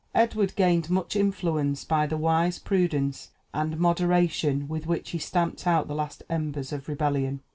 Edward gained much influence by the wise prudence and moderation with which he stamped out the last embers of rebellion.